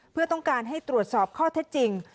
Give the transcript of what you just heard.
เพื่อต้องการให้ตรวจสอบข้อเท็จจริง